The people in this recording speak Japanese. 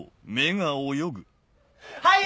はい！